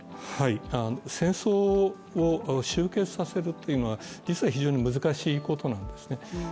戦争を終結させるというのは実は非常に難しいことなんですね。